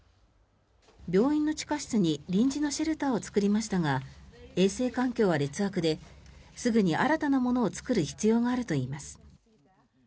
病院の地下室に臨時のシェルターを作りましたが衛生環境は劣悪ですぐに新たなものを作る必要があるといいます。